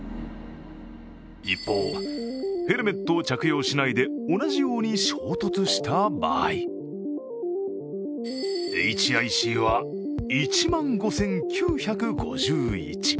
一方、ヘルメットを着用しないで同じように衝突した場合、ＨＩＣは１万５９５１。